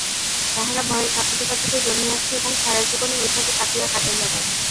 তাহারা ভয়ে কাঁপিতে কাঁপিতে জন্মিয়াছে এবং সারা জীবনই এইভাবে কাঁপিয়া কাটাইয়া দেয়।